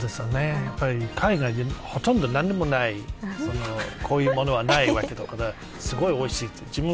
海外で、ほとんど何ともないこういうものはないわけだからすごいおいしそうで。